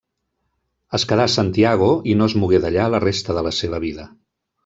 Es quedà a Santiago i no es mogué d'allà la resta de la seva vida.